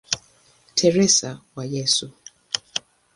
Teresa wa Yesu".